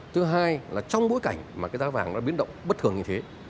thứ hai là trong bối cảnh mà cái giá vàng nó biến động bất thường như thế